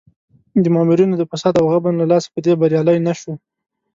د مامورینو د فساد او غبن له لاسه په دې بریالی نه شو.